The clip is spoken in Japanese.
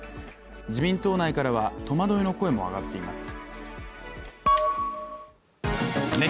自民党内からは、戸惑いの声も上がっています。